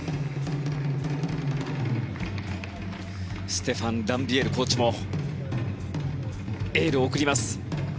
ステファン・ランビエルコーチもエールを送ります。